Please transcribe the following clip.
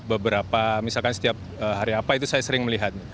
beberapa misalkan setiap hari apa itu saya sering melihat